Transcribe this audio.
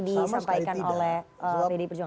disampaikan oleh pdi perjuangan